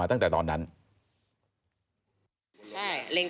ถ้าเขาถูกจับคุณอย่าลืม